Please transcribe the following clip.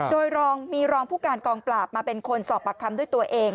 โดยรองมีรองผู้การกองปราบมาเป็นคนสอบปากคำด้วยตัวเอง